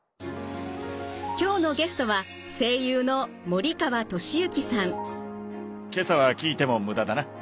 今日のゲストは「今朝は聞いても無駄だな。